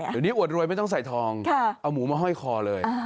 เดี๋ยวนี้อวดรวยไม่ต้องใส่ทองเอาหมูมาห้อยคอเลย